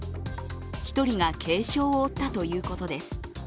１人が軽傷を負ったということです